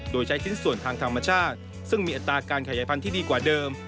โดยใช้ชิ้นส่วนทางธรรมชาติซึ่งมีอัตราการขยายพันธุ์ที่ดีกว่าเดิม